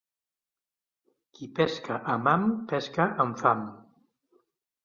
Qui pesca amb ham pesca amb fam.